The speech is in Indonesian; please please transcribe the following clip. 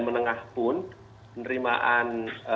menengah pun penerimaan